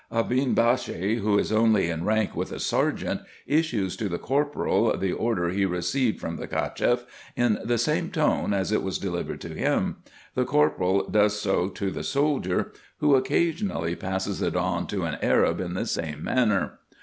A beenbashe, who is only in rank with a serjeant, issues to the corporal the order he received from the Cacheff, in the same tone as it was delivered to him ; the corporal does so to the soldier, who occasionally passes it to an Arab in the same manner.